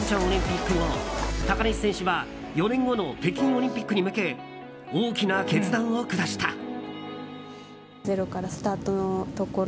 オリンピック後高梨選手は４年後の北京オリンピックに向け大きな決断を下した。